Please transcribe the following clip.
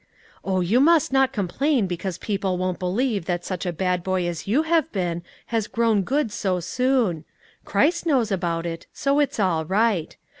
Oh, you must not complain because people won't believe that such a bad boy as you have been has grown good so soon. Christ knows about it, so it's all right.